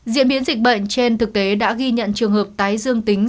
diễn biến dịch bệnh trên thực tế đã ghi nhận trường hợp tái dương tính